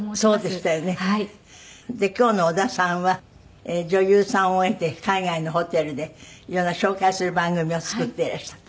で今日の小田さんは女優さんを経て海外のホテルで色んな紹介をする番組を作っていらしたと。